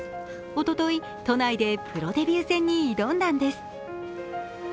おととい、都内でプロデビュー戦に挑んだんです。